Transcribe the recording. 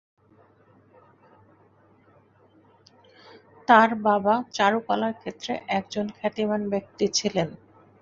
তাঁর বাবা চারুকলার ক্ষেত্রে একজন খ্যাতিমান ব্যক্তি ছিলেন।